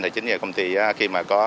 thì chính là công ty khi mà có